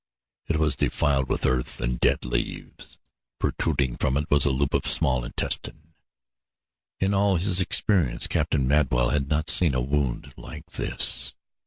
It was defiled with earth and dead leaves. Protruding from it was a loop of small intestine. In all his experience Captain Madwell had not seen a wound like this.